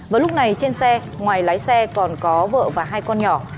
vào lúc này trên xe ngoài lái xe còn có vợ và hai con nhỏ